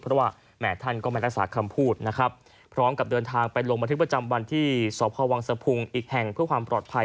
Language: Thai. เพราะว่าแหม่ท่านก็ไม่รักษาคำพูดนะครับพร้อมกับเดินทางไปลงบันทึกประจำวันที่สพวังสะพุงอีกแห่งเพื่อความปลอดภัย